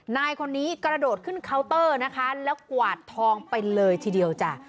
นายคนนี้กระโดดขึ้นเคาน์เตอร์นะคะแล้วกวาดทองไปเลยทีเดียวจ้ะ